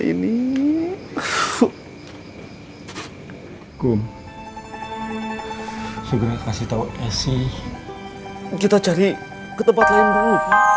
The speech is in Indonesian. ini hukum segera kasih tahu esy kita cari ke tempat lain dulu